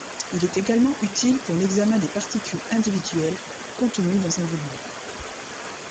Il est également utile pour l'examen des particules individuelles contenues dans un volume.